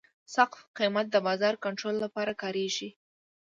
سقف قیمت د بازار کنټرول لپاره کارېږي.